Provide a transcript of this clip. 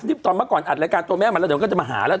ตอนเมื่อก่อนอัดรายการตัวแม่มาแล้วเดี๋ยวก็จะมาหาแล้ว